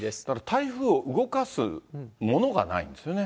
台風を動かすものがないんですよね。